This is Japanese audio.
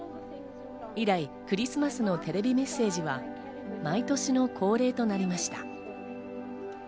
以来、クリスマスのテレビメッセージは毎年の恒例となりました。